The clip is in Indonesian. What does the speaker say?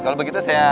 kalau begitu saya